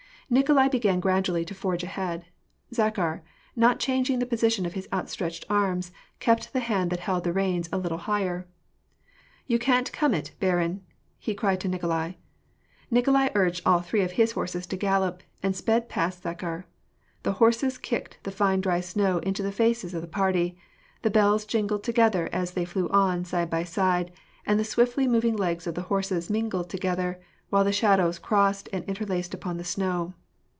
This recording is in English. Nikolai began gradually to forge ahead. Zakhar, not chan ging the position of his outstretched arms, kept the hand that held the reins a little higher. " You can't come it, barin !" he cried to Nikolai. Nikolai urged all three of his horses to gallop, and sped past Zakhar. The horses kicked the fine dry snow into the faces of the party ; the bells jingled together as they flew op, side by side ; and the swiftly moving legs of the horses mingled together, while the shadows crossed and interlaced upon the snow.